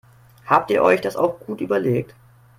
Habt ihr euch das auch gut überlegt?